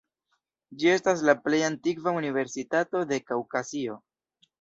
Ĝi estas la plej antikva universitato de Kaŭkazio.